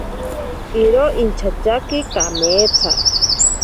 Iro inchatyaki kameetsa.